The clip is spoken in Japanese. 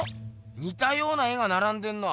にたような絵がならんでんな。